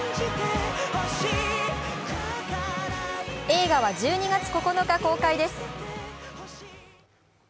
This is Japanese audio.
映画は１２月９日公開です。